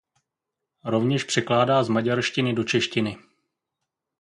Rovněž překládá z maďarštiny do češtiny.